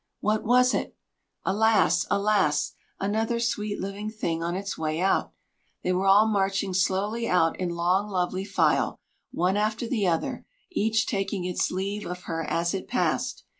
What was it? Alas! alas! another sweet living thing on its way out. They were all marching slowly out in long lovely file, one after the other, each taking its leave of her as it passed!